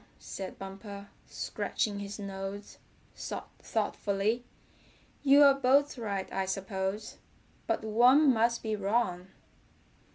said Bumper, scratching his nose thoughtfully. "You're both right, I suppose, but one must be wrong."